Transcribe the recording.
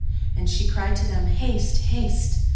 And she cried to them, "Haste! Haste!"